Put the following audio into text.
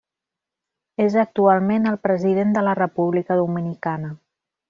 És actualment el President de la República Dominicana.